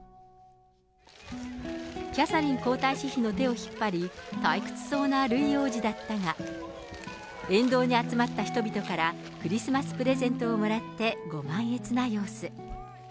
キャサリン皇太子妃の手を引っ張り、退屈そうなルイ王子だったが、沿道に集まった人々から、クリスマスプレゼントをもらってご満悦な様子。